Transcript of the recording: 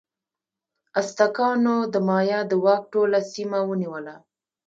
ازتکانو د مایا د واک ټوله سیمه ونیوله.